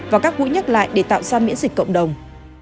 và các mũi nhắc lại để tạo ra miễn dịch cộng đồng